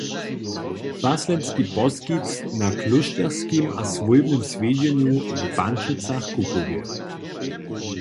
- paslenski poskitk na klóšterskim a swójbnym swjedźenju w Pančicach-Kukowje